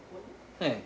はい。